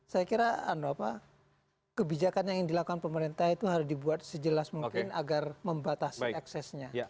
saya kira kebijakan yang dilakukan pemerintah itu harus dibuat sejelas mungkin agar membatasi eksesnya